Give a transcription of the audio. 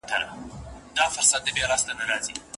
شاګرد ته ولې په څېړنه کي خپلواکي ورکول کېږي؟